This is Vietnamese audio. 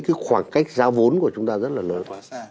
cái khoảng cách giao vốn của chúng ta rất là lớn